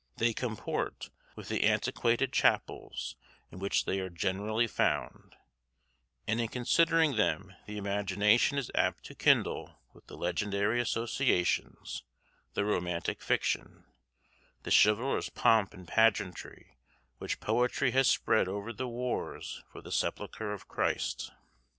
They comport with the antiquated chapels in which they are generally found; and in considering them the imagination is apt to kindle with the legendary associations, the romantic fiction, the chivalrous pomp and pageantry which poetry has spread over the wars for the sepulchre of Christ.